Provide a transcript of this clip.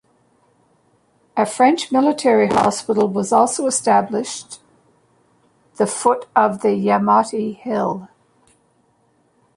A French military hospital was also established the foot of the Yamate hill.